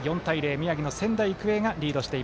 宮城の仙台育英がリード。